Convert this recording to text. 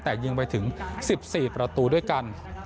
แต่ยิงไปถึง๑๔ประตูด้วยกัน